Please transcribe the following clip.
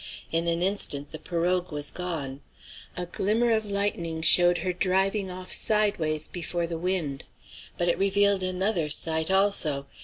In an instant the pirogue was gone. A glimmer of lightning showed her driving off sidewise before the wind. But it revealed another sight also.